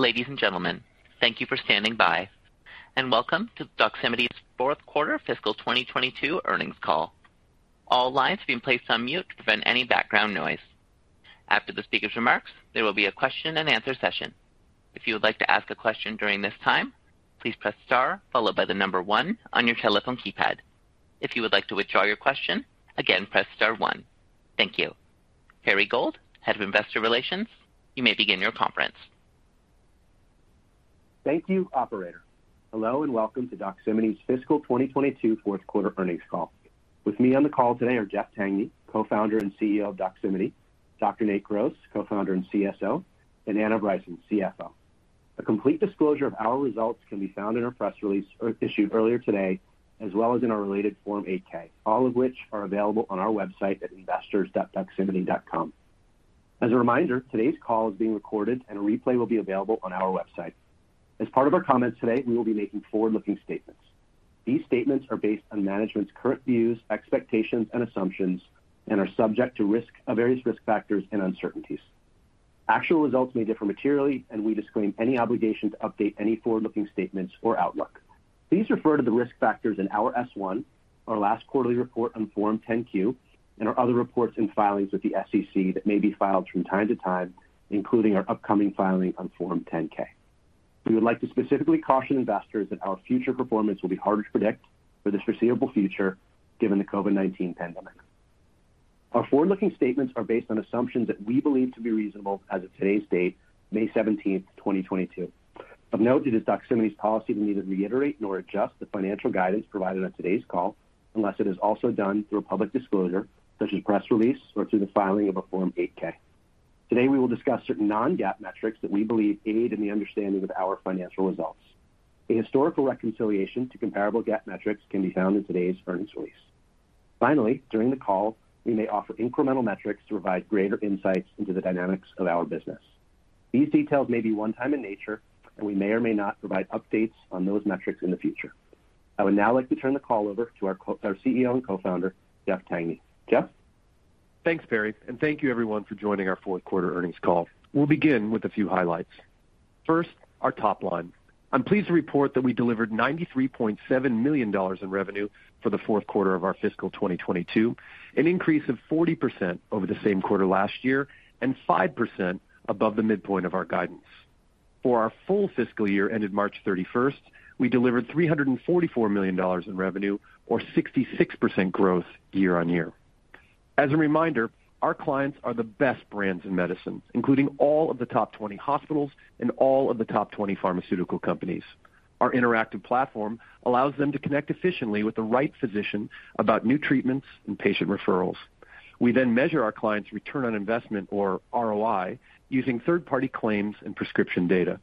Ladies and gentlemen, thank you for standing by, and welcome to Doximity's fourth quarter Fiscal 2022 earnings call. All lines have been placed on mute to prevent any background noise. After the speaker's remarks, there will be a question-and-answer session. If you would like to ask a question during this time, please press Star followed by the number one on your telephone keypad. If you would like to withdraw your question again, press Star one. Thank you. Perry Gold, Head of Investor Relations, you may begin your conference. Thank you, operator. Hello, and welcome to Doximity's fiscal 2022 fourth quarter earnings call. With me on the call today are Jeff Tangney, co-founder and CEO of Doximity, Dr. Nate Gross, co-founder and CSO, and Anna Bryson, CFO. A complete disclosure of our results can be found in our press release issued earlier today, as well as in our related Form 8-K, all of which are available on our website at investors.doximity.com. As a reminder, today's call is being recorded and a replay will be available on our website. As part of our comments today, we will be making forward-looking statements. These statements are based on management's current views, expectations and assumptions and are subject to risk, various Risk Factors and uncertainties. Actual results may differ materially, and we disclaim any obligation to update any forward-looking statements or outlook. Please refer to the risk factors in our Form S-1, our last quarterly report on Form 10-Q, and our other reports and filings with the SEC that may be filed from time to time, including our upcoming filing on Form 10-K. We would like to specifically caution investors that our future performance will be hard to predict for the foreseeable future given the COVID-19 pandemic. Our forward-looking statements are based on assumptions that we believe to be reasonable as of today's date, May 17, 2022. Of note, it is Doximity's policy to neither reiterate nor adjust the financial guidance provided on today's call unless it is also done through a public disclosure such as press release or through the filing of a Form 8-K. Today we will discuss certain non-GAAP metrics that we believe aid in the understanding of our financial results. A historical reconciliation to comparable GAAP metrics can be found in today's earnings release. Finally, during the call, we may offer incremental metrics to provide greater insights into the dynamics of our business. These details may be one time in nature, and we may or may not provide updates on those metrics in the future. I would now like to turn the call over to our CEO and co-founder, Jeff Tangney. Jeff. Thanks, Perry, and thank you everyone for joining our fourth quarter earnings call. We'll begin with a few highlights. First, our top line. I'm pleased to report that we delivered $93.7 million in revenue for the fourth quarter of our Fiscal 2022, an increase of 40% over the same quarter last year and 5% above the midpoint of our guidance. For our full fiscal year-ended March 31st, we delivered $344 million in revenue or 66% growth year-on-year. As a reminder, our clients are the best brands in medicine, including all of the top 20 hospitals and all of the top 20 pharmaceutical companies. Our interactive platform allows them to connect efficiently with the right physician about new treatments and patient referrals. We measure our clients' return on investment or ROI using third-party claims and prescription data.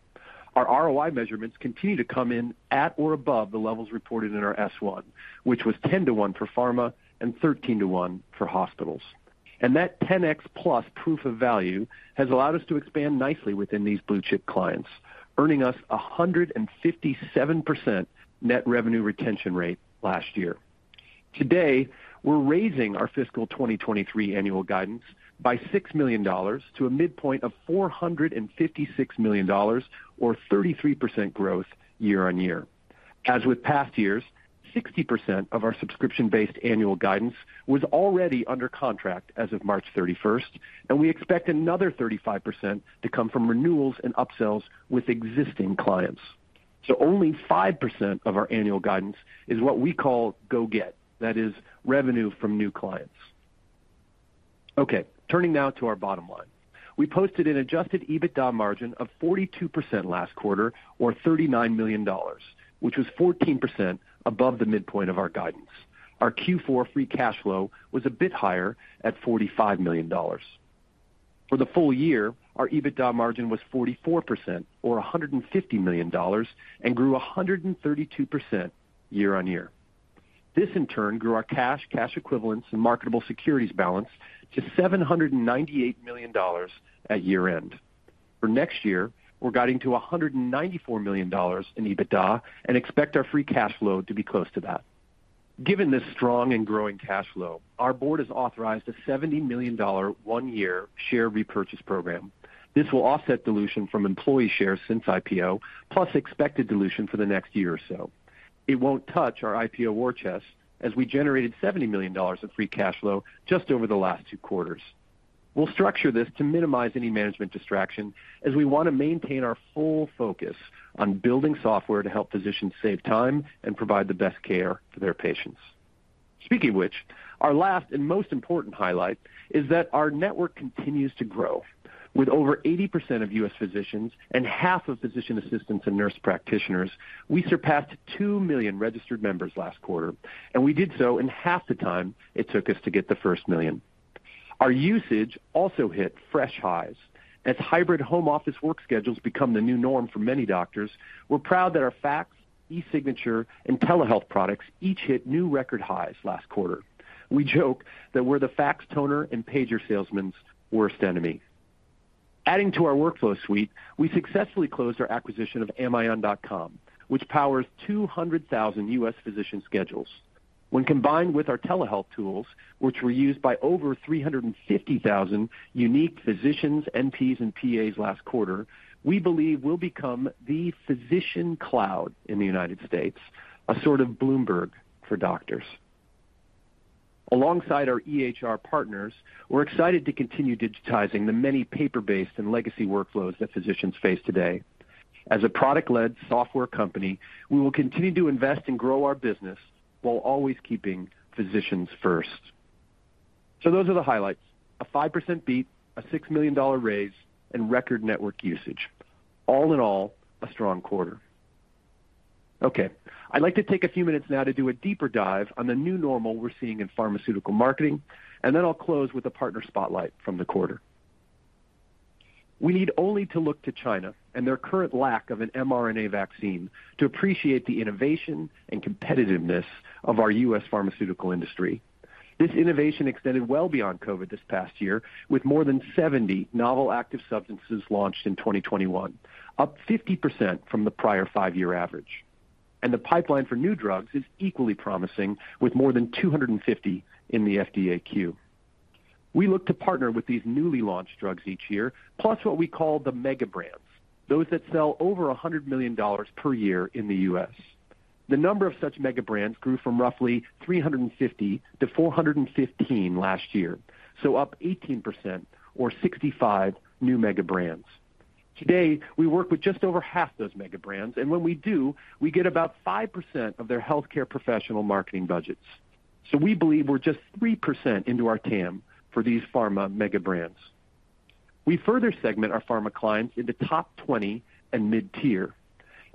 Our ROI measurements continue to come in at or above the levels reported in our S-1, which was 10-to-1 for pharma and 13-to-1 for hospitals. That 10x plus proof of value has allowed us to expand nicely within these blue chip clients, earning us a 157% net revenue retention rate last year. Today, we're raising our Fiscal 2023 annual guidance by $6 million to a midpoint of $456 million or 33% growth year-over-year. As with past years, 60% of our subscription-based annual guidance was already under contract as of March 31st, and we expect another 35% to come from renewals and upsells with existing clients. Only 5% of our annual guidance is what we call go get. That is, revenue from new clients. Okay, turning now to our bottom line. We posted an adjusted EBITDA margin of 42% last quarter or $39 million, which was 14% above the midpoint of our guidance. Our Q4 free cash flow was a bit higher at $45 million. For the full-year, our EBITDA margin was 44% or $150 million and grew 132% year-over-year. This in turn grew our cash equivalents and marketable securities balance to $798 million at year-end. For next year, we're guiding to $194 million in EBITDA and expect our free cash flow to be close to that. Given this strong and growing cash flow, our Board has authorized a $70 million one-year share repurchase program. This will offset dilution from employee shares since IPO plus expected dilution for the next year or so. It won't touch our IPO war chest as we generated $70 million of free cash flow just over the last two quarters. We'll structure this to minimize any management distraction as we want to maintain our full focus on building software to help physicians save time and provide the best care for their patients. Speaking of which, our last and most important highlight is that our network continues to grow. With over 80% of U.S. physicians and half of physician assistants and nurse practitioners, we surpassed 2 million registered members last quarter, and we did so in half the time it took us to get the first 1 million. Our usage also hit fresh highs. As hybrid home office work schedules become the new norm for many doctors, we're proud that our fax, e-signature and telehealth products each hit new record highs last quarter. We joke that we're the fax toner and pager salesman's worst enemy. Adding to our workflow suite, we successfully closed our acquisition of Amion.com, which powers 200,000 U.S. physician schedules. When combined with our telehealth tools, which were used by over 350,000 unique physicians, NPs, and PAs last quarter, we believe we'll become the physician cloud in the United States, a sort of Bloomberg for doctors. Alongside our EHR partners, we're excited to continue digitizing the many paper-based and legacy workflows that physicians face today. As a product-led software company, we will continue to invest and grow our business while always keeping physicians first. Those are the highlights. A 5% beat, a $6 million raise, and record network usage. All in all, a strong quarter. Okay, I'd like to take a few minutes now to do a deeper dive on the new normal we're seeing in pharmaceutical marketing, and then I'll close with a partner spotlight from the quarter. We need only to look to China and their current lack of an mRNA vaccine to appreciate the innovation and competitiveness of our U.S. pharmaceutical industry. This innovation extended well beyond COVID this past year, with more than 70 novel active substances launched in 2021, up 50% from the prior five-year average. The pipeline for new drugs is equally promising, with more than 250 in the FDA queue. We look to partner with these newly launched drugs each year, plus what we call the mega brands, those that sell over $100 million per year in the U.S. The number of such mega brands grew from roughly 350-415 last year, so up 18% or 65 new mega brands. Today, we work with just over half those mega brands, and when we do, we get about 5% of their healthcare professional marketing budgets. We believe we're just 3% into our TAM for these pharma mega brands. We further segment our pharma clients into top 20 and mid-tier.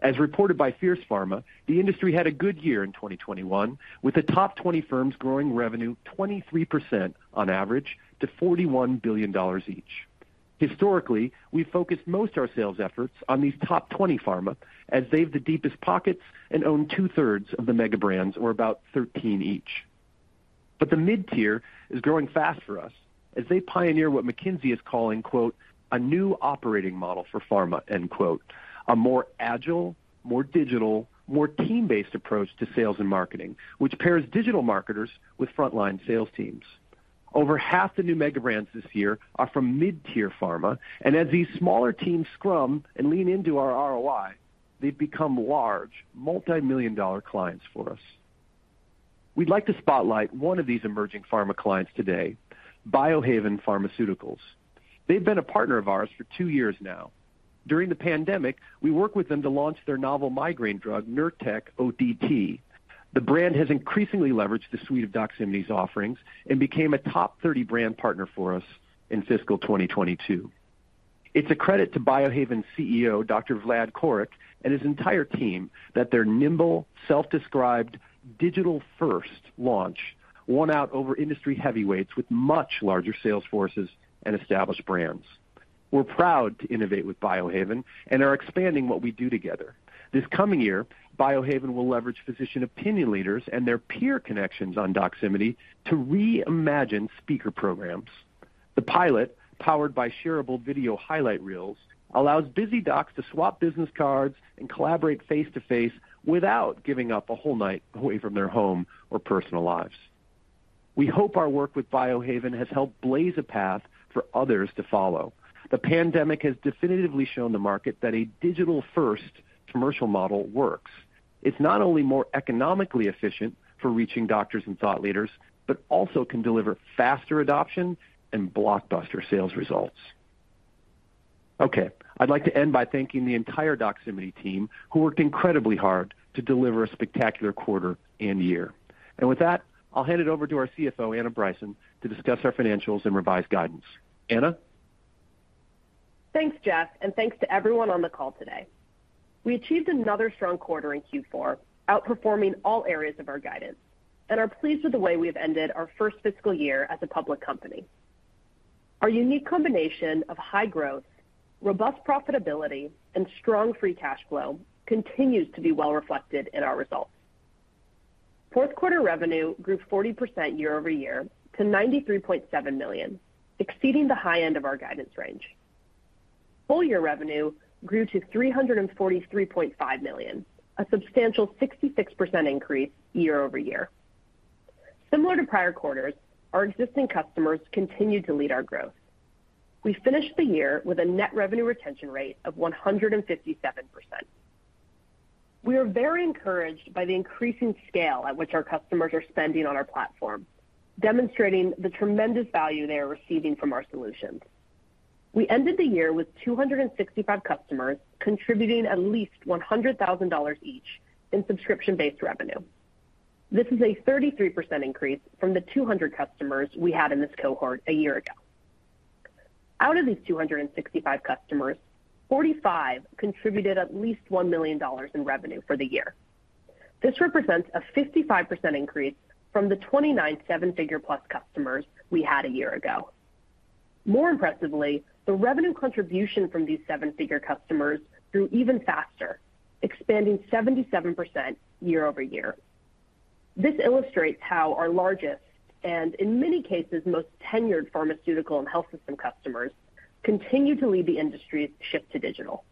As reported by Fierce Pharma, the industry had a good year in 2021, with the top 20 firms growing revenue 23% on average to $41 billion each. Historically, we focused most our sales efforts on these top 20 pharma, as they have the deepest pockets and own two-thirds of the mega brands, or about 13 each. The mid-tier is growing fast for us as they pioneer what McKinsey is calling, A new operating model for pharma. A more agile, more digital, more team-based approach to sales and marketing, which pairs digital marketers with frontline sales teams. Over half the new mega brands this year are from mid-tier pharma, and as these smaller teams scrum and lean into our ROI, they've become large, multi-million dollar clients for us. We'd like to spotlight one of these emerging pharma clients today, Biohaven Pharmaceuticals. They've been a partner of ours for 2 years now. During the pandemic, we worked with them to launch their novel migraine drug, Nurtec ODT. The brand has increasingly leveraged the suite of Doximity's offerings and became a top 30 brand partner for us in Fiscal 2022. It's a credit to Biohaven's CEO, Dr. Vlad Coric, and his entire team that their nimble, self-described digital-first launch won out over industry heavyweights with much larger sales forces and established brands. We're proud to innovate with Biohaven and are expanding what we do together. This coming year, Biohaven will leverage physician opinion leaders and their peer connections on Doximity to reimagine speaker programs. The pilot, powered by shareable video highlight reels, allows busy docs to swap business cards and collaborate face-to-face without giving up a whole night away from their home or personal lives. We hope our work with Biohaven has helped blaze a path for others to follow. The pandemic has definitively shown the market that a digital-first commercial model works. It's not only more economically efficient for reaching doctors and thought leaders, but also can deliver faster adoption and blockbuster sales results. Okay, I'd like to end by thanking the entire Doximity team who worked incredibly hard to deliver a spectacular quarter and year. With that, I'll hand it over to our CFO, Anna Bryson, to discuss our financials and revised guidance. Anna? Thanks, Jeff, and thanks to everyone on the call today. We achieved another strong quarter in Q4, outperforming all areas of our guidance, and are pleased with the way we have ended our first fiscal year as a public company. Our unique combination of high growth, robust profitability, and strong free cash flow continues to be well reflected in our results. Fourth quarter revenue grew 40% year-over-year to $93.7 million, exceeding the high end of our guidance range. Full-year revenue grew to $343.5 million, a substantial 66% increase year-over-year. Similar to prior quarters, our existing customers continued to lead our growth. We finished the year with a net revenue retention rate of 157%. We are very encouraged by the increasing scale at which our customers are spending on our platform, demonstrating the tremendous value they are receiving from our solutions. We ended the year with 265 customers contributing at least $100,000 each in subscription-based revenue. This is a 33% increase from the 200 customers we had in this cohort a year ago. Out of these 265 customers, 45 contributed at least $1 million in revenue for the year. This represents a 55% increase from the 29 seven-figure-plus customers we had a year ago. More impressively, the revenue contribution from these seven-figure customers grew even faster, expanding 77% year-over-year. This illustrates how our largest, and in many cases, most tenured pharmaceutical and health system customers continue to lead the industry's shift to digital.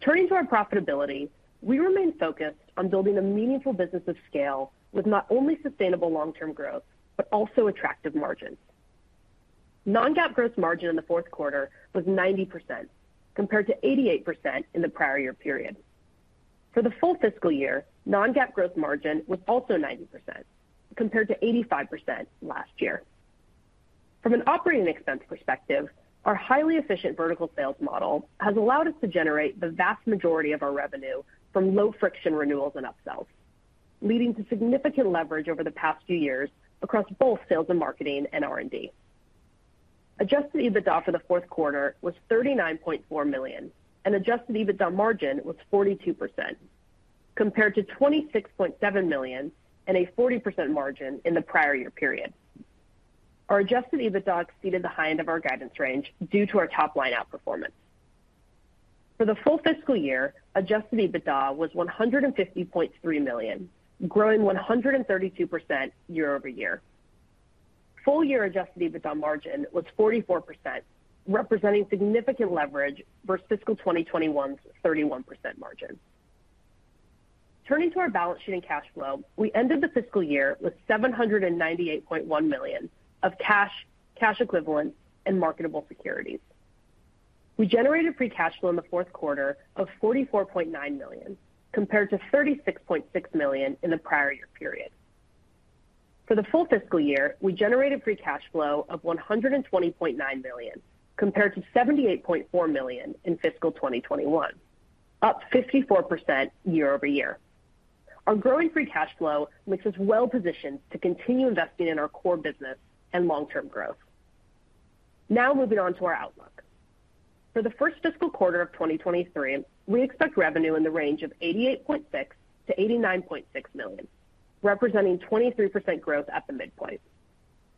Turning to our profitability, we remain focused on building a meaningful business of scale with not only sustainable long-term growth, but also attractive margins. non-GAAP gross margin in the fourth quarter was 90% compared to 88% in the prior year period. For the full fiscal year, non-GAAP gross margin was also 90% compared to 85% last year. From an operating expense perspective, our highly efficient vertical sales model has allowed us to generate the vast majority of our revenue from low friction renewals and upsells, leading to significant leverage over the past few years across both sales and marketing and R&D. Adjusted EBITDA for the fourth quarter was $39.4 million, and adjusted EBITDA margin was 42% compared to $26.7 million and a 40% margin in the prior year period. Our adjusted EBITDA exceeded the high end of our guidance range due to our top line outperformance. For the full fiscal year, adjusted EBITDA was $150.3 million, growing 132% year-over-year. Full year adjusted EBITDA margin was 44%, representing significant leverage versus fiscal 2021's 31% margin. Turning to our balance sheet and cash flow, we ended the fiscal year with $798.1 million of cash equivalents and marketable securities. We generated free cash flow in the fourth quarter of $44.9 million, compared to $36.6 million in the prior year period. For the full fiscal year, we generated free cash flow of $120.9 million, compared to $78.4 million in fiscal 2021, up 54% year-over-year. Our growing free cash flow makes us well positioned to continue investing in our core business and long-term growth. Now moving on to our outlook. For the first fiscal quarter of 2023, we expect revenue in the range of $88.6 million-$89.6 million, representing 23% growth at the midpoint.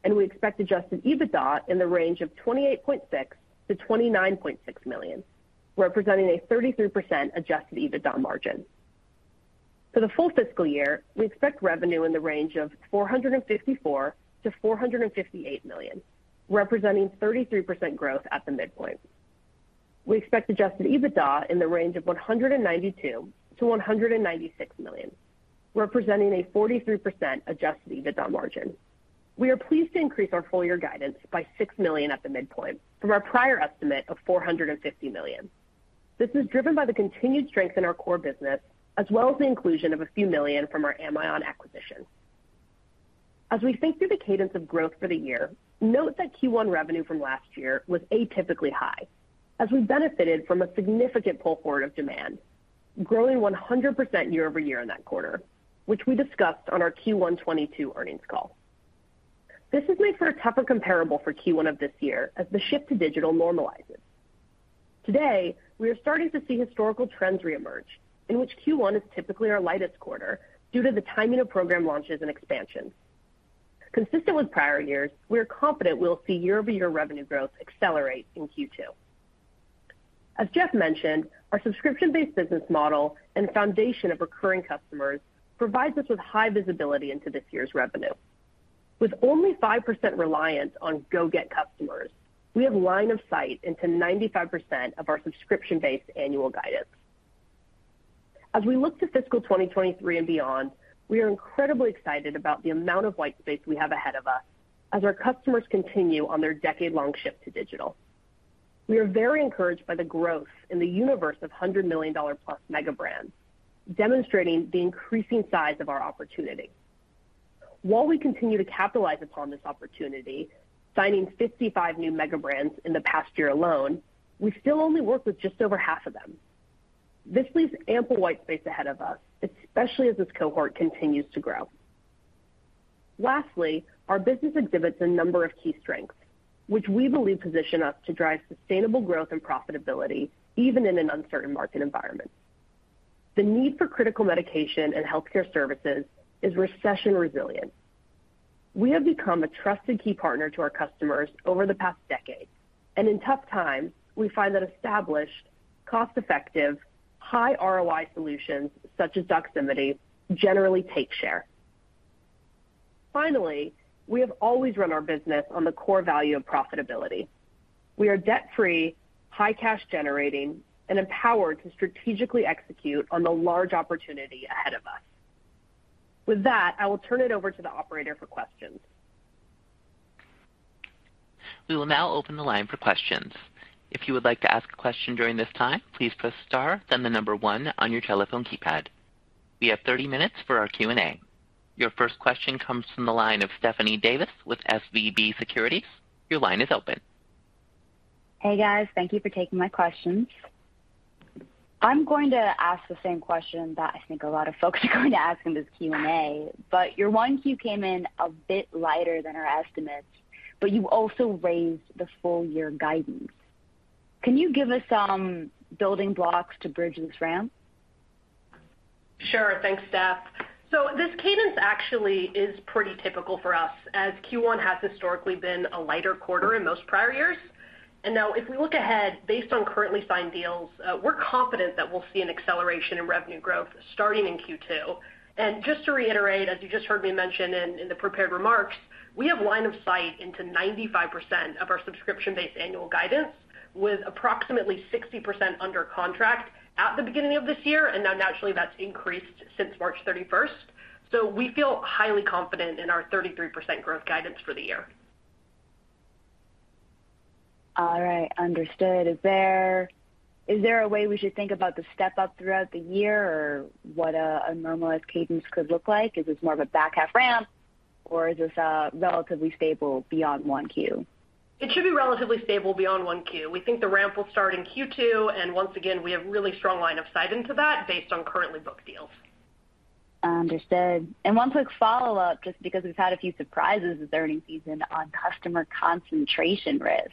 We expect adjusted EBITDA in the range of $28.6 million-$29.6 million, representing a 33% adjusted EBITDA margin. For the full fiscal year, we expect revenue in the range of $454 million-$458 million, representing 33% growth at the midpoint. We expect adjusted EBITDA in the range of $192 million-$196 million, representing a 43% adjusted EBITDA margin. We are pleased to increase our full year guidance by $6 million at the midpoint from our prior estimate of $450 million. This is driven by the continued strength in our core business as well as the inclusion of a few million from our Amion acquisition. As we think through the cadence of growth for the year, note that Q1 revenue from last year was atypically high as we benefited from a significant pull-forward of demand, growing 100% year-over-year in that quarter, which we discussed on our Q1 2022 earnings call. This has made for a tougher comparable for Q1 of this year as the shift to digital normalizes. Today, we are starting to see historical trends reemerge in which Q1 is typically our lightest quarter due to the timing of program launches and expansions. Consistent with prior years, we are confident we'll see year-over-year revenue growth accelerate in Q2. As Jeff mentioned, our subscription-based business model and foundation of recurring customers provides us with high visibility into this year's revenue. With only 5% reliance on go-get customers, we have line of sight into 95% of our subscription-based annual guidance. As we look to Fiscal 2023 and beyond, we are incredibly excited about the amount of white space we have ahead of us as our customers continue on their decade-long shift to digital. We are very encouraged by the growth in the universe of $100 million+ mega brands, demonstrating the increasing size of our opportunity. While we continue to capitalize upon this opportunity, signing 55 new mega brands in the past year alone, we still only work with just over half of them. This leaves ample white space ahead of us, especially as this cohort continues to grow. Lastly, our business exhibits a number of key strengths which we believe position us to drive sustainable growth and profitability even in an uncertain market environment. The need for critical medication and healthcare services is recession resilient. We have become a trusted key partner to our customers over the past decade, and in tough times, we find that established, cost-effective, high ROI solutions such as Doximity generally take share. Finally, we have always run our business on the core value of profitability. We are debt-free, high cash generating, and empowered to strategically execute on the large opportunity ahead of us. With that, I will turn it over to the operator for questions. We will now open the line for questions. If you would like to ask a question during this time, please press Star, then the number one on your telephone keypad. We have 30 minutes for our Q&A. Your first question comes from the line of Stephanie Davis with SVB Securities. Your line is open. Hey, guys. Thank you for taking my questions. I'm going to ask the same question that I think a lot of folks are going to ask in this Q&A, but your Q1 came in a bit lighter than our estimates, but you also raised the full year guidance. Can you give us some building blocks to bridge this ramp? Sure. Thanks, Steph. So this cadence actually is pretty typical for us, as Q1 has historically been a lighter quarter in most prior years. Now if we look ahead based on currently signed deals, we're confident that we'll see an acceleration in revenue growth starting in Q2. Just to reiterate, as you just heard me mention in the prepared remarks, we have line of sight into 95% of our subscription-based annual guidance. With approximately 60% under contract at the beginning of this year, and now naturally that's increased since March 31st. We feel highly confident in our 33% growth guidance for the year. All right. Understood. Is there a way we should think about the step-up throughout the year or what a normalized cadence could look like? Is this more of a back half ramp, or is this relatively stable beyond Q1? It should be relatively stable beyond 1Q. We think the ramp will start in Q2, and once again, we have really strong line of sight into that based on currently booked deals. Understood. One quick follow-up, just because we've had a few surprises this earnings season on customer concentration risk.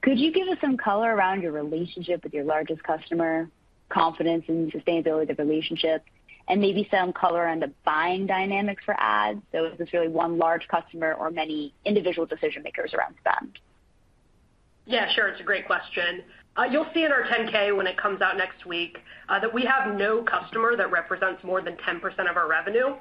Could you give us some color around your relationship with your largest customer, confidence in the sustainability of the relationship, and maybe some color on the buying dynamics for ads? Is this really one large customer or many individual decision makers around spend? Yeah, sure. It's a great question. You'll see in our 10-K when it comes out next week, that we have no customer that represents more than 10% of our revenue.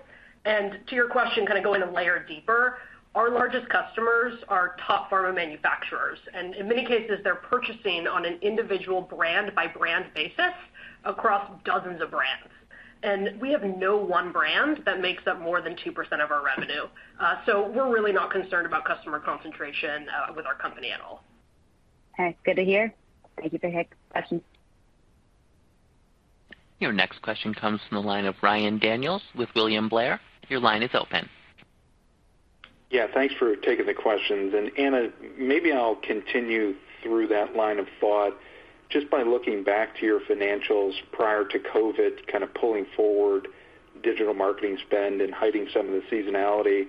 To your question, kind of going a layer deeper, our largest customers are top pharma manufacturers, and in many cases, they're purchasing on an individual brand-by-brand basis across dozens of brands. We have no one brand that makes up more than 2% of our revenue. We're really not concerned about customer concentration with our company at all. Okay. Good to hear. Thank you for answering the question. Your next question comes from the line of Ryan Daniels with William Blair. Your line is open. Yeah, thanks for taking the questions. Anna, maybe I'll continue through that line of thought just by looking back to your financials prior to COVID, kind of pulling forward digital marketing spend and hiding some of the seasonality.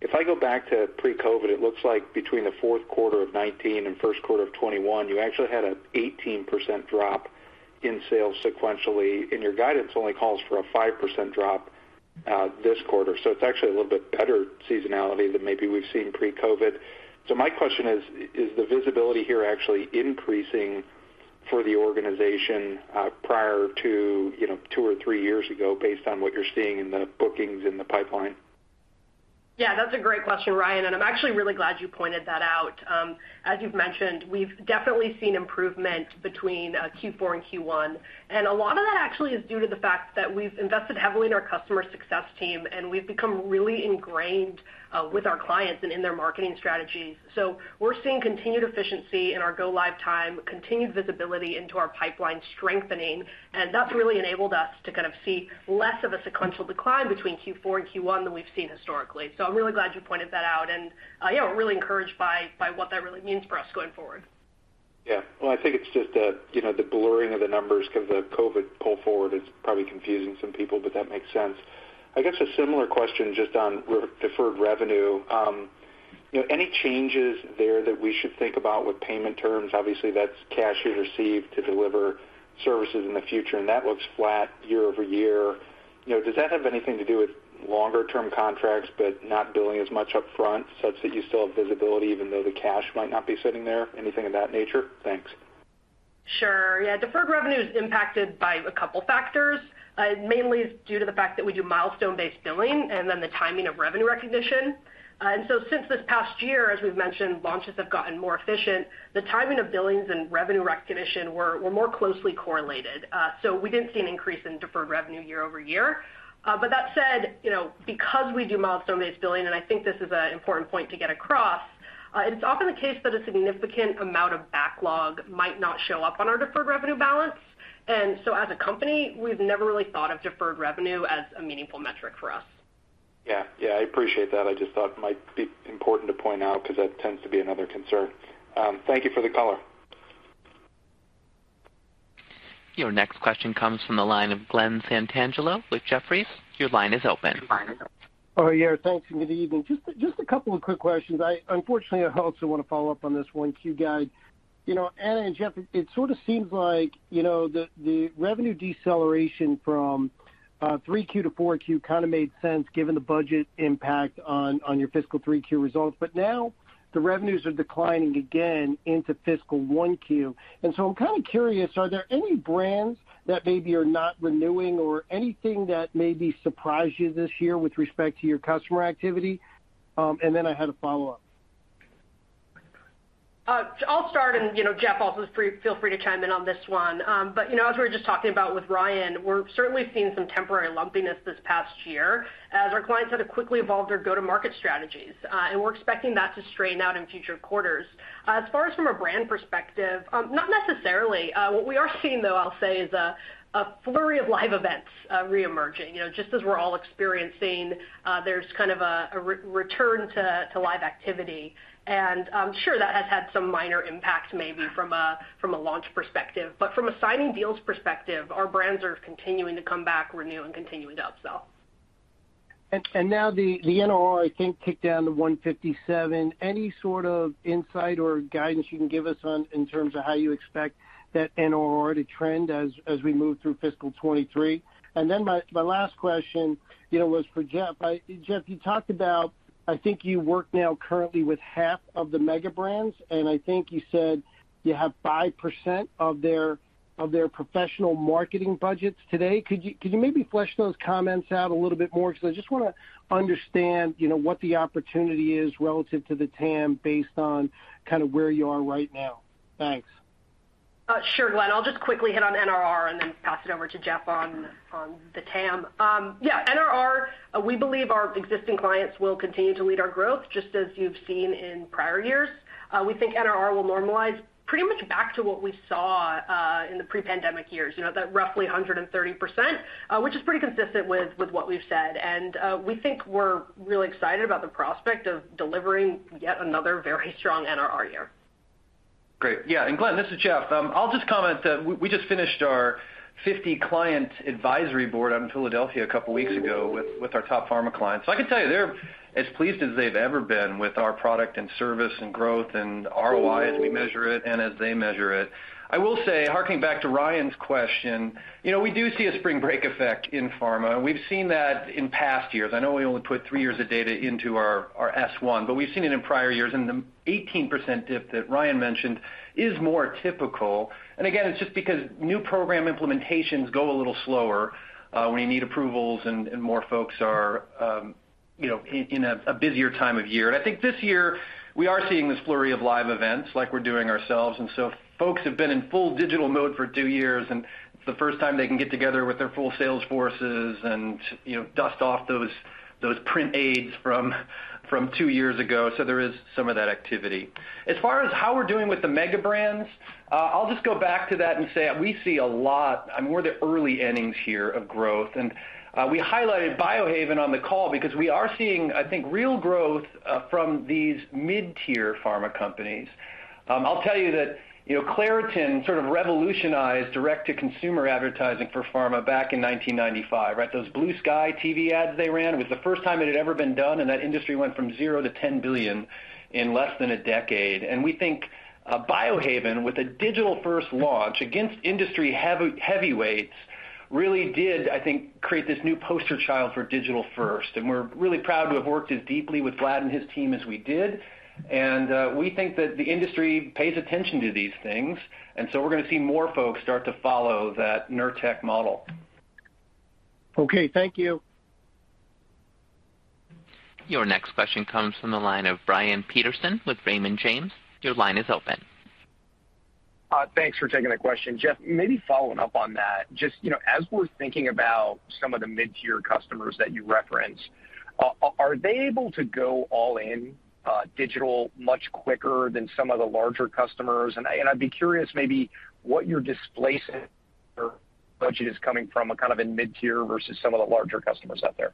If I go back to pre-COVID, it looks like between the fourth quarter of 2019 and first quarter of 2021, you actually had an 18% drop in sales sequentially, and your guidance only calls for a 5% drop this quarter. It's actually a little bit better seasonality than maybe we've seen pre-COVID. My question is the visibility here actually increasing for the organization prior to, you know, two or three years ago based on what you're seeing in the bookings in the pipeline? Yeah, that's a great question, Ryan, and I'm actually really glad you pointed that out. As you've mentioned, we've definitely seen improvement between Q4 and Q1. A lot of that actually is due to the fact that we've invested heavily in our customer success team, and we've become really ingrained with our clients and in their marketing strategies. We're seeing continued efficiency in our go-live time, continued visibility into our pipeline strengthening, and that's really enabled us to kind of see less of a sequential decline between Q4 and Q1 than we've seen historically. I'm really glad you pointed that out. Yeah, we're really encouraged by what that really means for us going forward. Yeah. Well, I think it's just, you know, the blurring of the numbers 'cause the COVID pull forward is probably confusing some people, but that makes sense. I guess a similar question just on remaining deferred revenue. You know, any changes there that we should think about with payment terms? Obviously, that's cash you receive to deliver services in the future, and that looks flat year-over-year. You know, does that have anything to do with longer-term contracts but not billing as much upfront such that you still have visibility even though the cash might not be sitting there? Anything of that nature? Thanks. Sure. Yeah. Deferred revenue is impacted by a couple factors. Mainly it's due to the fact that we do milestone-based billing and then the timing of revenue recognition. Since this past year, as we've mentioned, launches have gotten more efficient. The timing of billings and revenue recognition were more closely correlated. We didn't see an increase in deferred revenue year-over-year. That said, you know, because we do milestone-based billing, and I think this is an important point to get across, it's often the case that a significant amount of backlog might not show up on our deferred revenue balance. As a company, we've never really thought of deferred revenue as a meaningful metric for us. Yeah. Yeah, I appreciate that. I just thought it might be important to point out 'cause that tends to be another concern. Thank you for the color. Your next question comes from the line of Glen Santangelo with Jefferies. Your line is open. Yeah, thanks, and good evening. Just a couple of quick questions. Unfortunately, I also wanna follow-up on this 1Q guide. You know, Anna and Jeff, it sort of seems like, you know, the revenue deceleration from 3Q-4Q kinda made sense given the budget impact on your Fiscal 3Q results. Now the revenues are declining again into Fiscal 1Q. I'm kinda curious, are there any brands that maybe are not renewing or anything that maybe surprised you this year with respect to your customer activity? And then I had a follow-up. I'll start and, you know, Jeff, also feel free to chime in on this one. You know, as we were just talking about with Ryan, we're certainly seeing some temporary lumpiness this past year as our clients had to quickly evolve their go-to-market strategies. We're expecting that to straighten out in future quarters. As far as from a brand perspective, not necessarily. What we are seeing, though, I'll say, is a flurry of live events reemerging. You know, just as we're all experiencing, there's kind of a return to live activity. I'm sure that has had some minor impact maybe from a launch perspective. From a signing deals perspective, our brands are continuing to come back, renew, and continuing to upsell. Now the NRR, I think, kicked down to 157. Any sort of insight or guidance you can give us on in terms of how you expect that NRR to trend as we move through Fiscal 2023? Then my last question, you know, was for Jeff. Jeff, you talked about, I think you work now currently with half of the mega brands, and I think you said you have 5% of their professional marketing budgets today. Could you maybe flesh those comments out a little bit more? Because I just wanna understand, you know, what the opportunity is relative to the TAM based on kinda where you are right now. Thanks. Sure, Glenn. I'll just quickly hit on NRR and then pass it over to Jeff on the TAM. Yeah, NRR, we believe our existing clients will continue to lead our growth, just as you've seen in prior years. We think NRR will normalize pretty much back to what we saw in the pre-pandemic years, you know, that roughly 130%, which is pretty consistent with what we've said. We think we're really excited about the prospect of delivering yet another very strong NRR year. Great. Yeah. Glenn, this is Jeff. I'll just comment that we just finished our 50 client advisory Board out in Philadelphia a couple weeks ago with our top pharma clients. I can tell you they're as pleased as they've ever been with our product and service and growth and ROI as we measure it and as they measure it. I will say, harking back to Ryan's question, you know, we do see a spring break effect in pharma, and we've seen that in past years. I know we only put 3 years of data into our S-1, but we've seen it in prior years. The 18% dip that Ryan mentioned is more typical. Again, it's just because new program implementations go a little slower, when you need approvals and more folks are, you know, in a busier time of year. I think this year we are seeing this flurry of live events like we're doing ourselves. Folks have been in full digital mode for two years, and it's the first time they can get together with their full sales forces and, you know, dust off those print aids from two years ago. There is some of that activity. As far as how we're doing with the mega brands, I'll just go back to that and say we see a lot. We're in the early innings here of growth. We highlighted Biohaven on the call because we are seeing, I think, real growth from these mid-tier pharma companies. I'll tell you that, you know, Claritin sort of revolutionized direct-to-consumer advertising for pharma back in 1995, right? Those blue sky TV ads they ran was the first time it had ever been done, and that industry went from zero to $10 billion in less than a decade. We think, Biohaven, with a digital-first launch against industry heavyweights, really did, I think, create this new poster child for digital-first. We think that the industry pays attention to these things, and so we're gonna see more folks start to follow that Nurtec model. Okay, thank you. Your next question comes from the line of Brian Peterson with Raymond James. Your line is open. Thanks for taking the question. Jeff, maybe following up on that, just, you know, as we're thinking about some of the mid-tier customers that you referenced, are they able to go all in digital much quicker than some of the larger customers? I'd be curious maybe what your displacement budget is coming from kind of in mid-tier versus some of the larger customers out there.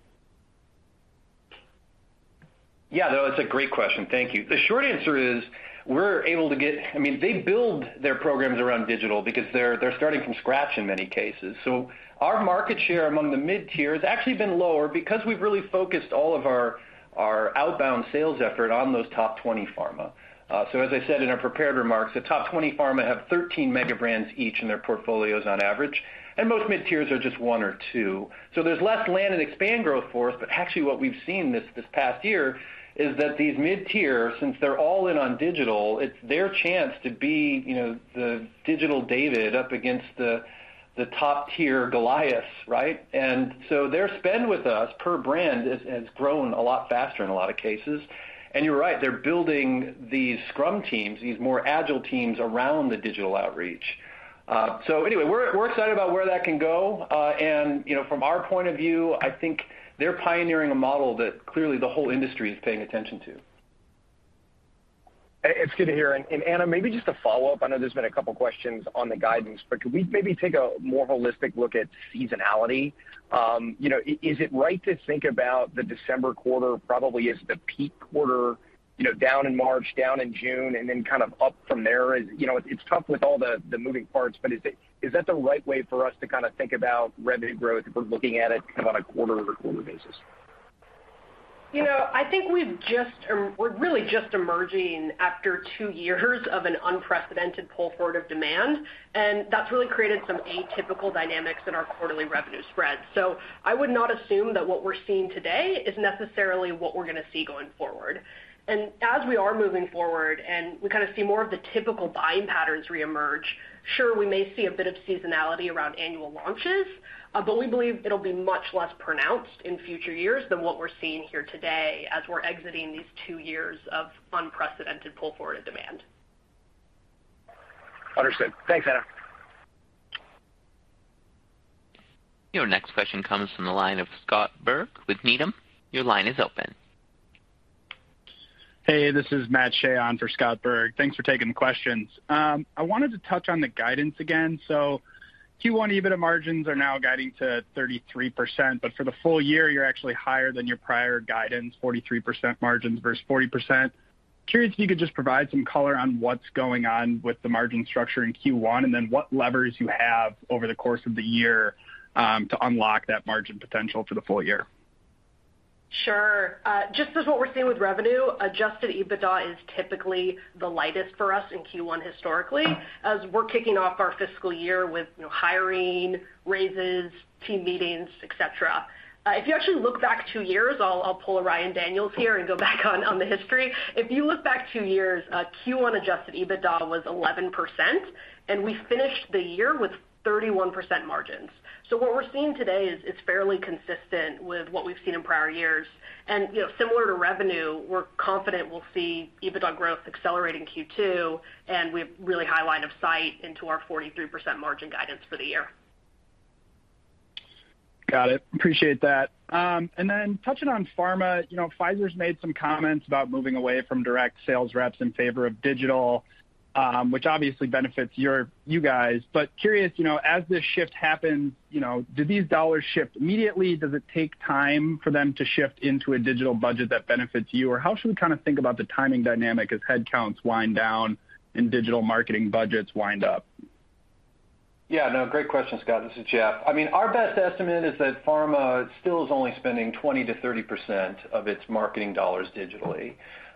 Yeah, no, that's a great question. Thank you. The short answer is, I mean, they build their programs around digital because they're starting from scratch in many cases. Our market share among the mid-tier has actually been lower because we've really focused all of our outbound sales effort on those top 20 pharma. As I said in our prepared remarks, the top 20 pharma have 13 mega brands each in their portfolios on average, and most mid-tiers are just one or two. There's less land and expand growth for us, but actually what we've seen this past year is that these mid-tier, since they're all in on digital, it's their chance to be, you know, the digital David up against the top-tier Goliaths, right? Their spend with us per brand has grown a lot faster in a lot of cases. You're right, they're building these scrum teams, these more agile teams around the digital outreach. We're excited about where that can go. You know, from our point of view, I think they're pioneering a model that clearly the whole industry is paying attention to. It's good to hear. Anna, maybe just a follow-up. I know there's been a couple questions on the guidance, but could we maybe take a more holistic look at seasonality? You know, is it right to think about the December quarter probably as the peak quarter, you know, down in March, down in June, and then kind of up from there? You know, it's tough with all the moving parts, but is it, is that the right way for us to kinda think about revenue growth if we're looking at it kind of on a quarter-over-quarter basis? You know, I think we've just we're really just emerging after two years of an unprecedented pull forward of demand, and that's really created some atypical dynamics in our quarterly revenue spread. I would not assume that what we're seeing today is necessarily what we're gonna see going forward. As we are moving forward and we kind of see more of the typical buying patterns reemerge, sure, we may see a bit of seasonality around annual launches, but we believe it'll be much less pronounced in future years than what we're seeing here today as we're exiting these two years of unprecedented pull-forward demand. Understood. Thanks, Anna. Your next question comes from the line of Scott Berg with Needham. Your line is open. Hey, this is Matt Shea on for Scott Berg. Thanks for taking the questions. I wanted to touch on the guidance again. Q1 EBITDA margins are now guiding to 33%, but for the full-year, you're actually higher than your prior guidance, 43% margins versus 40%. Curious if you could just provide some color on what's going on with the margin structure in Q1, and then what levers you have over the course of the year, to unlock that margin potential for the full-year. Sure. Just as what we're seeing with revenue, adjusted EBITDA is typically the lightest for us in Q1 historically, as we're kicking off our fiscal year with, you know, hiring, raises, team meetings, et cetera. If you actually look back two years, I'll pull a Ryan Daniels here and go back on the history. If you look back two years, Q1 adjusted EBITDA was 11%, and we finished the year with 31% margins. What we're seeing today is fairly consistent with what we've seen in prior years. You know, similar to revenue, we're confident we'll see EBITDA growth accelerating Q2, and we have really high line of sight into our 43% margin guidance for the year. Got it. Appreciate that. Touching on pharma, you know, Pfizer's made some comments about moving away from direct sales reps in favor of digital, which obviously benefits you guys. Curious, you know, as this shift happens, you know, do these dollars shift immediately? Does it take time for them to shift into a digital budget that benefits you? Or how should we kind of think about the timing dynamic as headcounts wind down and digital marketing budgets wind up? Yeah, no, great question, Scott. This is Jeff. I mean, our best estimate is that pharma still is only spending 20%-30% of its marketing dollars digitally.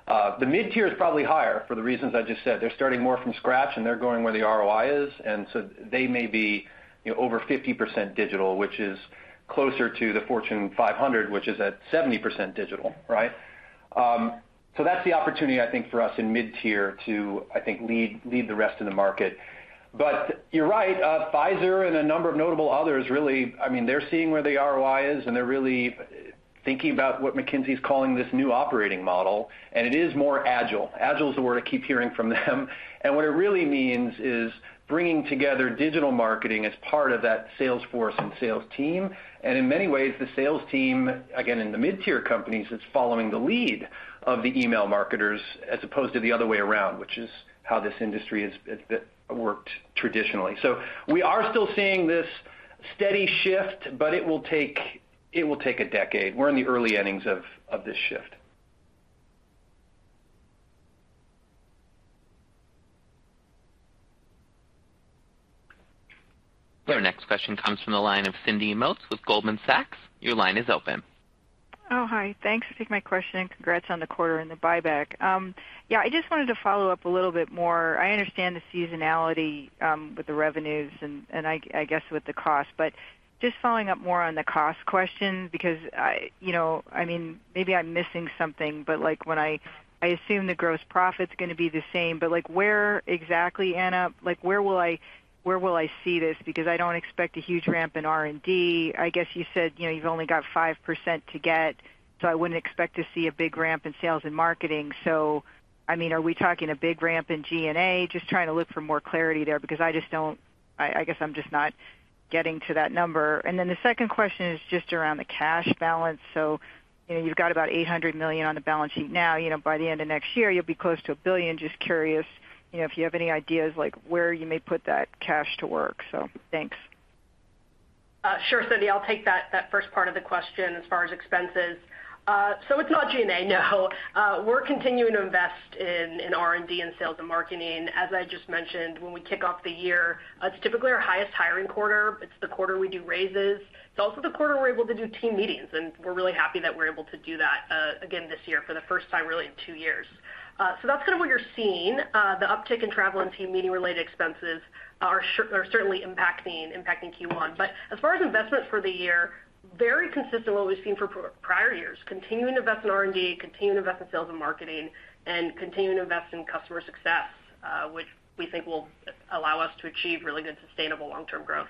The mid-tier is probably higher for the reasons I just said. They're starting more from scratch, and they're going where the ROI is. They may be, you know, over 50% digital, which is closer to the Fortune 500, which is at 70% digital, right? That's the opportunity, I think, for us in mid-tier to, I think, lead the rest of the market. You're right. Pfizer and a number of notable others, really, I mean, they're seeing where the ROI is, and they're really thinking about what McKinsey is calling this new operating model, and it is more agile. Agile is the word I keep hearing from them. What it really means is bringing together digital marketing as part of that sales force and sales team. In many ways, the sales team, again, in the mid-tier companies, is following the lead of the email marketers as opposed to the other way around, which is how this industry has worked traditionally. We are still seeing this steady shift, but it will take a decade. We're in the early innings of this shift. Your next question comes from the line of Cindy Motz with Goldman Sachs. Your line is open. Hi. Thanks for taking my question, and congrats on the quarter and the buyback. Yeah, I just wanted to follow-up a little bit more. I understand the seasonality with the revenues and I guess with the cost, but just following up more on the cost question because I mean, maybe I'm missing something, but like, I assume the gross profit's gonna be the same. Like, where exactly, Anna, like, where will I see this? Because I don't expect a huge ramp in R&D. I guess you said you've only got 5% to get, so I wouldn't expect to see a big ramp in sales and marketing. I mean, are we talking a big ramp in G&A? Just trying to look for more clarity there because I just don't. I guess I'm just not getting to that number. Then the second question is just around the cash balance. You know, you've got about $800 million on the balance sheet now. You know, by the end of next year, you'll be close to $1 billion. Just curious, you know, if you have any ideas, like, where you may put that cash to work. Thanks. Sure, Cindy. I'll take that first part of the question as far as expenses. It's not G&A, no. We're continuing to invest in R&D and sales and marketing. As I just mentioned, when we kick off the year, it's typically our highest hiring quarter. It's the quarter we do raises. It's also the quarter we're able to do team meetings, and we're really happy that we're able to do that again this year for the first time, really in two years. That's kind of what you're seeing. The uptick in travel and team meeting-related expenses are certainly impacting Q1. As far as investment for the year, very consistent with what we've seen for prior years, continuing to invest in R&D, continuing to invest in sales and marketing, and continuing to invest in customer success, which we think will allow us to achieve really good, sustainable long-term growth.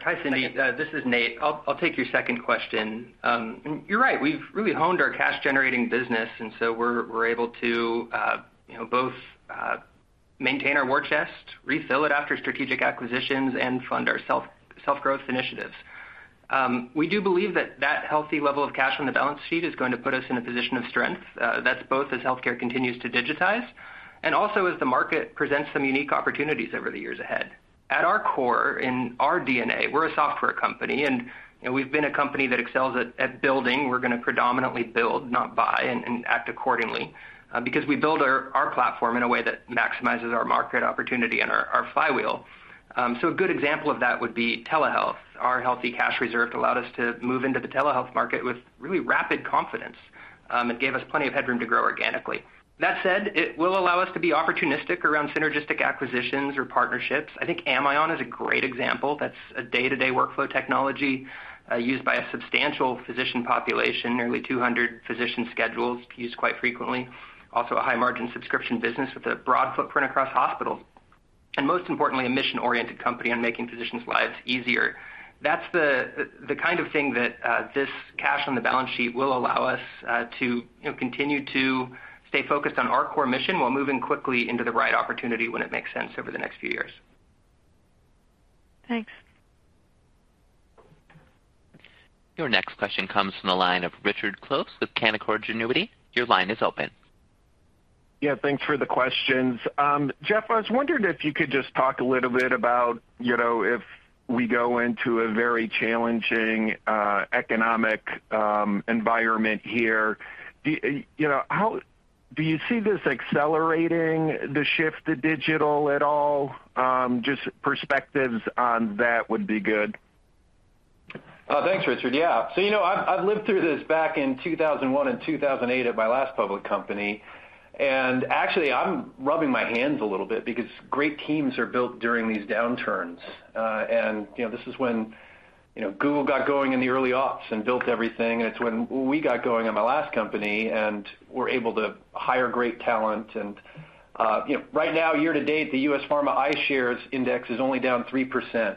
Hi, Cindy. This is Nate. I'll take your second question. You're right, we've really honed our cash-generating business, and so we're able to, you know, both maintain our war chest, refill it after strategic acquisitions, and fund our self-growth initiatives. We do believe that healthy level of cash on the balance sheet is going to put us in a position of strength. That's both as healthcare continues to digitize and also as the market presents some unique opportunities over the years ahead. At our core, in our DNA, we're a software company, and you know, we've been a company that excels at building. We're gonna predominantly build, not buy, and act accordingly, because we build our platform in a way that maximizes our market opportunity and our flywheel. A good example of that would be telehealth. Our healthy cash reserve allowed us to move into the telehealth market with really rapid confidence, and gave us plenty of headroom to grow organically. That said, it will allow us to be opportunistic around synergistic acquisitions or partnerships. I think Amion is a great example. That's a day-to-day workflow technology used by a substantial physician population. Nearly 200 physician schedules used quite frequently. Also a high-margin subscription business with a broad footprint across hospitals. Most importantly, a mission-oriented company on making physicians' lives easier. That's the kind of thing that this cash on the balance sheet will allow us to you know continue to stay focused on our core mission while moving quickly into the right opportunity when it makes sense over the next few years. Thanks. Your next question comes from the line of Richard Close with Canaccord Genuity. Your line is open. Yeah, thanks for the questions. Jeff, I was wondering if you could just talk a little bit about, you know, if we go into a very challenging economic environment here, do you know, do you see this accelerating the shift to digital at all? Just perspectives on that would be good. Thanks, Richard. Yeah. You know, I've lived through this back in 2001 and 2008 at my last public company. Actually, I'm rubbing my hands a little bit because great teams are built during these downturns. You know, this is when, you know, Google got going in the early aughts and built everything. It's when we got going at my last company and were able to hire great talent. You know, right now, year-to-date, the U.S. pharma iShares index is only down 3%.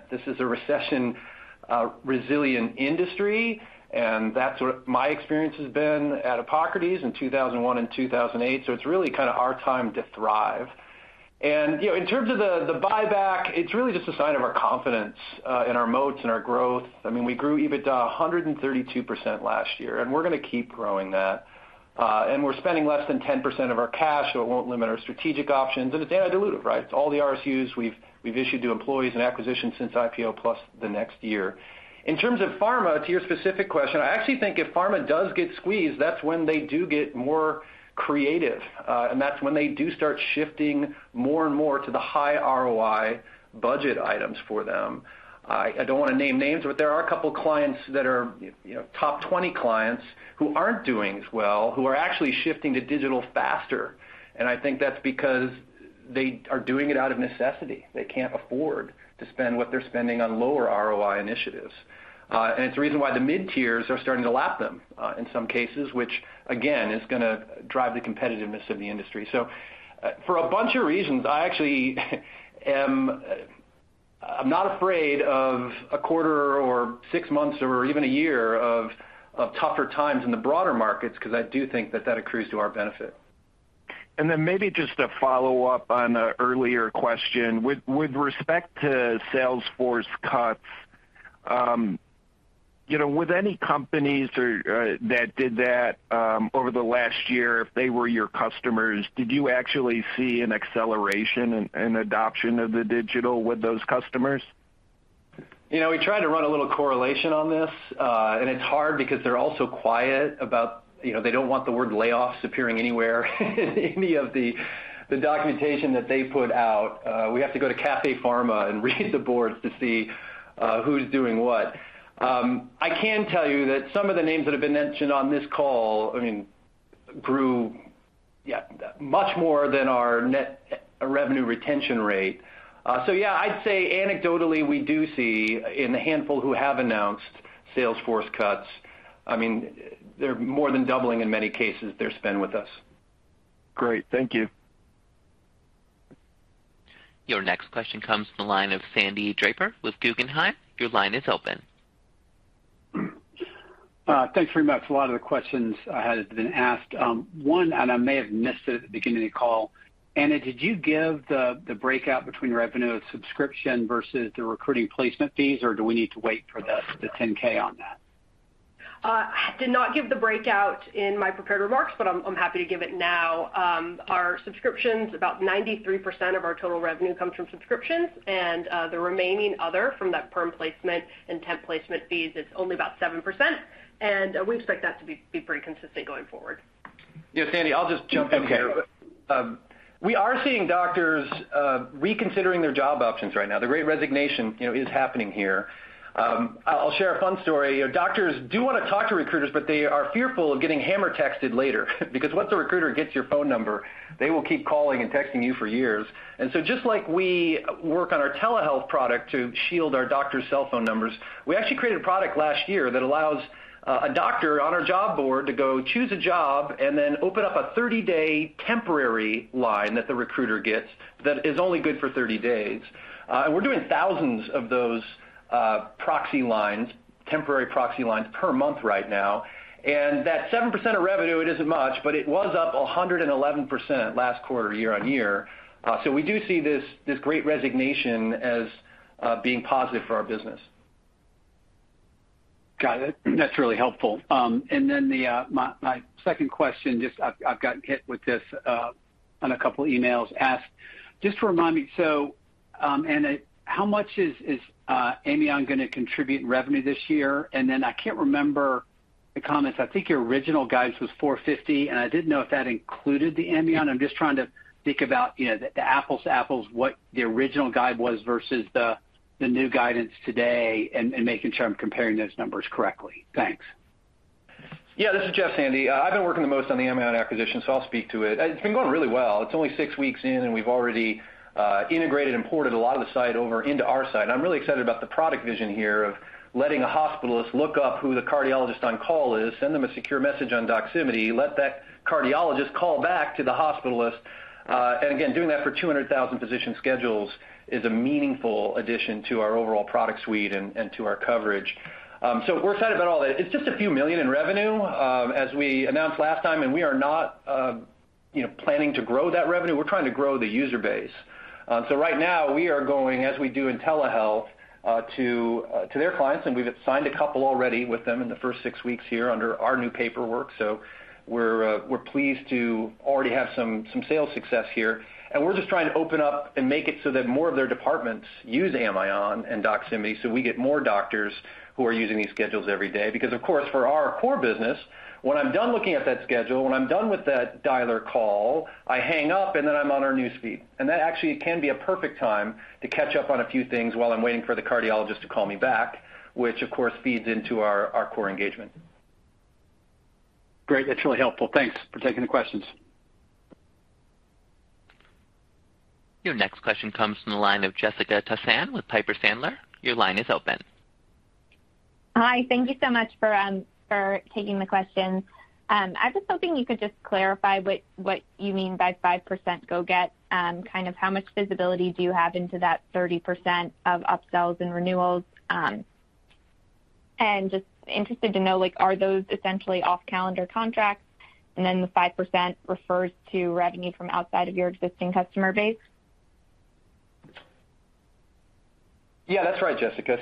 This is a recession-resilient industry, and that's what my experience has been at Epocrates in 2001 and 2008. It's really kind of our time to thrive. You know, in terms of the buyback, it's really just a sign of our confidence in our moats and our growth. I mean, we grew EBITDA 132% last year, and we're gonna keep growing that. We're spending less than 10% of our cash, so it won't limit our strategic options. It's anti-dilutive, right? It's all the RSUs we've issued to employees and acquisitions since IPO plus the next year. In terms of pharma, to your specific question, I actually think if pharma does get squeezed, that's when they do get more creative, and that's when they do start shifting more and more to the high ROI budget items for them. I don't wanna name names, but there are a couple clients that are, you know, top 20 clients who aren't doing as well, who are actually shifting to digital faster. I think that's because they are doing it out of necessity. They can't afford to spend what they're spending on lower ROI initiatives. It's the reason why the mid-tiers are starting to lap them, in some cases, which again is gonna drive the competitiveness of the industry. For a bunch of reasons, I actually I'm not afraid of a quarter or six months or even a year of tougher times in the broader markets 'cause I do think that accrues to our benefit. Then maybe just a follow-up on an earlier question. With respect to sales force cuts, you know, with any companies or that did that over the last year, if they were your customers, did you actually see an acceleration in adoption of the digital with those customers? You know, we tried to run a little correlation on this, and it's hard because they're all so quiet about. You know, they don't want the word layoffs appearing anywhere in any of the documentation that they put out. We have to go to CafePharma and read the boards to see who's doing what. I can tell you that some of the names that have been mentioned on this call, I mean, grew, yeah, much more than our net revenue retention rate. Yeah, I'd say anecdotally, we do see in the handful who have announced sales force cuts, I mean, they're more than doubling in many cases their spend with us. Great. Thank you. Your next question comes from the line of Sandy Draper with Guggenheim. Your line is open. Thanks very much. A lot of the questions has been asked. One, I may have missed it at the beginning of the call. Anna, did you give the breakout between revenue and subscription versus the recruiting placement fees, or do we need to wait for the 10-K on that? I did not give the breakdown in my prepared remarks, but I'm happy to give it now. Our subscriptions, about 93% of our total revenue comes from subscriptions, and the remaining other from that perm placement and temp placement fees is only about 7%, and we expect that to be pretty consistent going forward. Yeah, Sandy, I'll just jump in here. Okay. We are seeing doctors reconsidering their job options right now. The great resignation, you know, is happening here. I'll share a fun story. Doctors do wanna talk to recruiters, but they are fearful of getting hammer texted later because once a recruiter gets your phone number, they will keep calling and texting you for years. Just like we work on our telehealth product to shield our doctors' cell phone numbers, we actually created a product last year that allows a doctor on our job board to go choose a job and then open up a 30-day temporary line that the recruiter gets that is only good for 30 days. We're doing thousands of those proxy lines, temporary proxy lines per month right now. That 7% of revenue, it isn't much, but it was up 111% last quarter, year-on-year. We do see this great resignation as being positive for our business. Got it. That's really helpful. My second question, just I've gotten hit with this on a couple of emails asked. Just to remind me, Anna, how much is Amion gonna contribute in revenue this year? I can't remember the comments. I think your original guidance was $450 million, and I didn't know if that included the Amion. I'm just trying to think about you know the apples to apples, what the original guide was versus the new guidance today and making sure I'm comparing those numbers correctly. Thanks. Yeah, this is Jeff, Sandy. I've been working the most on the Amion acquisition, so I'll speak to it. It's been going really well. It's only six weeks in, and we've already integrated and ported a lot of the site over into our site. I'm really excited about the product vision here of letting a hospitalist look up who the cardiologist on call is, send them a secure message on Doximity, let that cardiologist call back to the hospitalist. Again, doing that for 200,000 physician schedules is a meaningful addition to our overall product suite and to our coverage. We're excited about all that. It's just a few million in revenue, as we announced last time, and we are not, you know, planning to grow that revenue. We're trying to grow the user base. Right now we are going, as we do in telehealth, to their clients, and we've signed a couple already with them in the first six weeks here under our new paperwork. We're pleased to already have some sales success here. We're just trying to open up and make it so that more of their departments use Amion and Doximity, so we get more doctors who are using these schedules every day. Because, of course, for our core business, when I'm done looking at that schedule, when I'm done with that dialer call, I hang up, and then I'm on our newsfeed. That actually can be a perfect time to catch up on a few things while I'm waiting for the cardiologist to call me back, which, of course, feeds into our core engagement. Great. That's really helpful. Thanks for taking the questions. Your next question comes from the line of Jessica Tassan with Piper Sandler. Your line is open. Hi. Thank you so much for taking the questions. I was hoping you could just clarify what you mean by 5% growth, kind of how much visibility do you have into that 30% of upsells and renewals. Just interested to know, like, are those essentially off-calendar contracts? Then the 5% refers to revenue from outside of your existing customer base. Yeah. That's right, Jessica.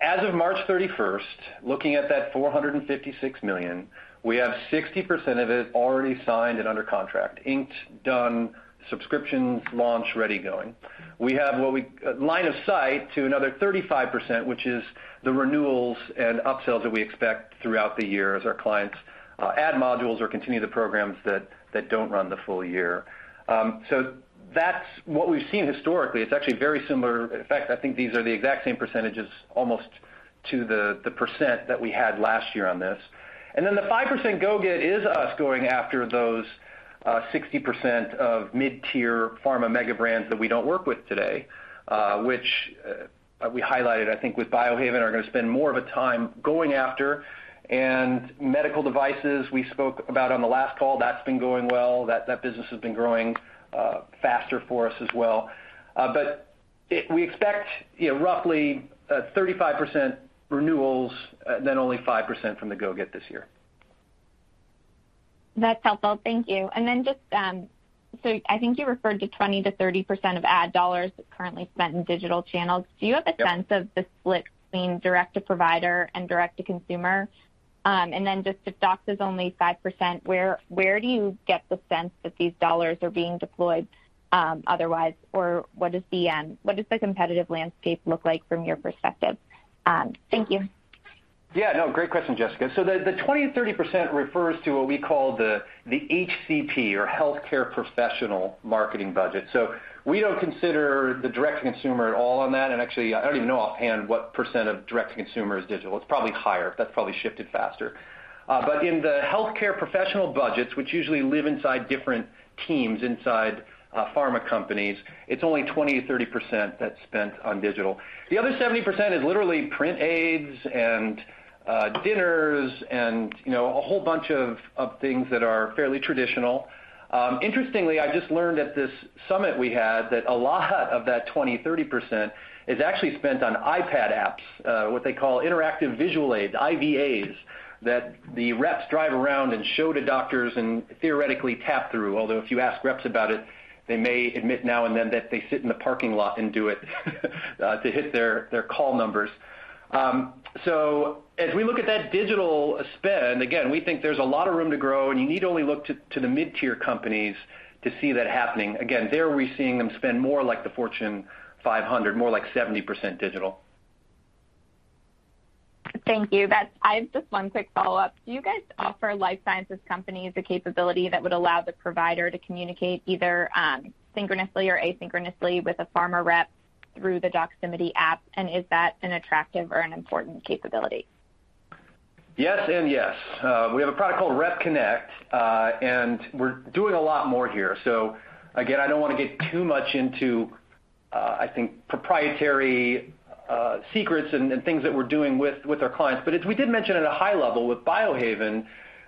As of March 31st, looking at that $456 million, we have 60% of it already signed and under contract. Inked, done, subscription launch-ready going. We have line of sight to another 35%, which is the renewals and upsells that we expect throughout the year as our clients add modules or continue the programs that don't run the full year. That's what we've seen historically. It's actually very similar. In fact, I think these are the exact same percentages almost to the percent that we had last year on this. The 5% go-get is us going after those 60% of mid-tier pharma mega brands that we don't work with today, which we highlighted, I think, with Biohaven are gonna spend more of our time going after. Medical devices we spoke about on the last call, that's been going well. That business has been growing faster for us as well. We expect, you know, roughly, 35% renewals, then only 5% from the go-get this year. That's helpful. Thank you. Just, so I think you referred to 20%-30% of ad dollars currently spent in digital channels. Yep. Do you have a sense of the split between direct to provider and direct to consumer? Just if Dox is only 5%, where do you get the sense that these dollars are being deployed otherwise? What does the competitive landscape look like from your perspective? Thank you. Yeah. No. Great question, Jessica. The 20%-30% refers to what we call the HCP or healthcare professional marketing budget. We don't consider the direct to consumer at all on that. Actually, I don't even know offhand what % of direct to consumer is digital. It's probably higher. That's probably shifted faster. But in the healthcare professional budgets, which usually live inside different teams inside pharma companies, it's only 20%-30% that's spent on digital. The other 70% is literally print aids and dinners and, you know, a whole bunch of things that are fairly traditional. Interestingly, I just learned at this summit we had that a lot of that 20%-30% is actually spent on iPad apps, what they call interactive visual aids, IVAs, that the reps drive around and show to doctors and theoretically tap through. Although if you ask reps about it, they may admit now and then that they sit in the parking lot and do it to hit their call numbers. As we look at that digital spend, again, we think there's a lot of room to grow, and you need only look to the mid-tier companies to see that happening. Again, there we're seeing them spend more like the Fortune 500, more like 70% digital. Thank you. I have just one quick follow-up. Do you guys offer life sciences companies the capability that would allow the provider to communicate either synchronously or asynchronously with a pharma rep through the Doximity app? Is that an attractive or an important capability? Yes, yes. We have a product called Rep Connect, and we're doing a lot more here. Again, I don't wanna get too much into, I think proprietary secrets and things that we're doing with our clients. As we did mention at a high level with Biohaven,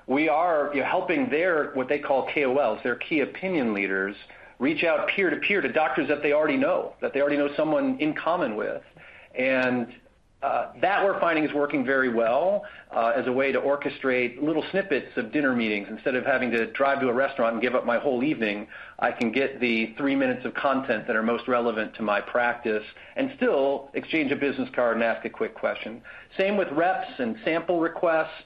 we are, you know, helping their, what they call KOLs, their key opinion leaders, reach out peer-to-peer to doctors that they already know someone in common with. That we're finding is working very well, as a way to orchestrate little snippets of dinner meetings. Instead of having to drive to a restaurant and give up my whole evening, I can get the three minutes of content that are most relevant to my practice and still exchange a business card and ask a quick question. Same with reps and sample requests.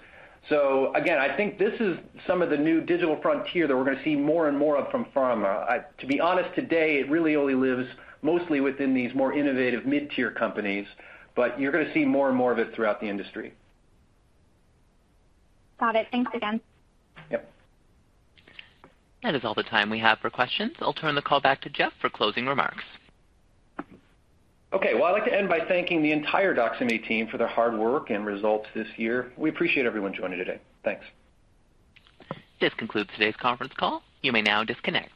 Again, I think this is some of the new digital frontier that we're gonna see more and more of from pharma. To be honest, today, it really only lives mostly within these more innovative mid-tier companies, but you're gonna see more and more of it throughout the industry. Got it. Thanks again. Yep. That is all the time we have for questions. I'll turn the call back to Jeff for closing remarks. Okay. Well, I'd like to end by thanking the entire Doximity team for their hard work and results this year. We appreciate everyone joining today. Thanks. This concludes today's conference call. You may now disconnect.